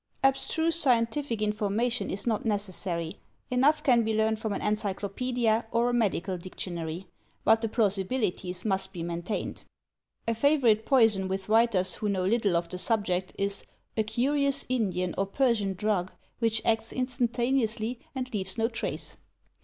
Abstruse scientific information is not necessary; enough can be learned from an encyclo paedia or a medical dictionary; but the plausibilities must be maintained. A favorite poison with writers who know little of the sub ject, is "a curious Indian or Persian drug, which acts instan taneously and leaves no trace."